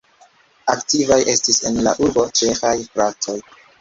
Aktivaj estis en la urbo ĉeĥaj fratoj.